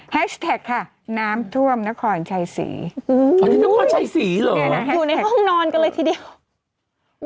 แท็กค่ะน้ำท่วมนครชัยศรีอยู่ที่นครชัยศรีเลยอยู่ในห้องนอนกันเลยทีเดียว